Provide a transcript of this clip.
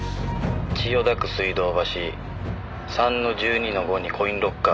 千代田区水道橋３−１２−５にコインロッカーがある。